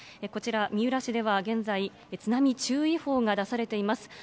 こちら、三浦市では現在、津波注意報が出されています。